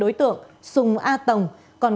đối tượng hồ hậu thường chú đã ra quyết định truy nã